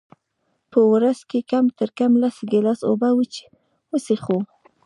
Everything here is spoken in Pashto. په ورځ کي کم ترکمه لس ګیلاسه اوبه وچیښئ